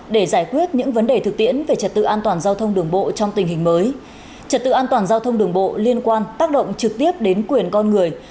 để giải quyết những vấn đề thực tiễn về trật tự an toàn giao thông đường bộ trong tình hình mới trật tự an toàn giao thông đường bộ liên quan tác động trực tiếp đến quyền con người